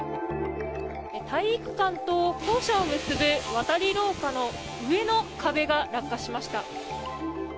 体育館と校舎を結ぶ渡り廊下の上の壁が落下しました。